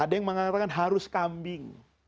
ada yang mengatakan harus kambing